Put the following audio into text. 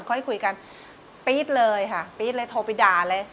ค่อยคุยกันปี๊ดเลยค่ะปี๊ดเลยโทรไปด่าเลย